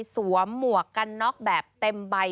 หมวกกันน็อกแบบเต็มใบ